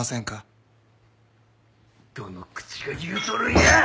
どの口が言うとるんや！